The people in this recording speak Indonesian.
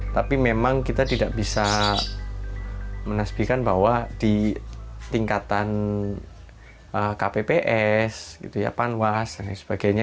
tapi memang kita tidak bisa menasbikan bahwa di tingkatan kpps panwas dan lain sebagainya